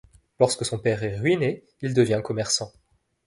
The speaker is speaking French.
Lorsque son père est ruiné, il devient commerçant.